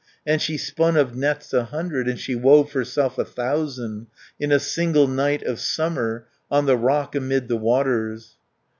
And she spun of nets a hundred, And she wove herself a thousand, 340 In a single night of summer, On the rock amid the waters.